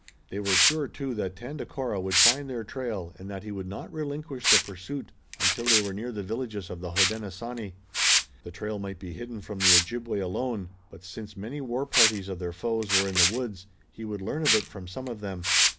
They were sure, too, that Tandakora would find their trail and that he would not relinquish the pursuit until they were near the villages of the Hodenosaunee. The trail might be hidden from the Ojibway alone, but since many war parties of their foes were in the woods he would learn of it from some of them.